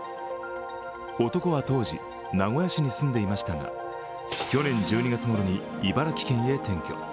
男は当時、名古屋市に住んでいましたが去年１２月ごろに茨城県へ転居。